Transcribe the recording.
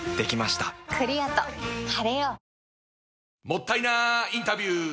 もったいなインタビュー！